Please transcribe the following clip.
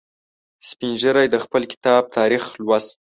سپین ږیری د خپل کتاب تاریخ لوست.